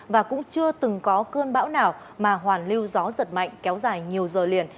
và cũng chưa từng có cơn bão nào mà hoàn lưu gió giật mạnh kéo dài nhiều giờ liền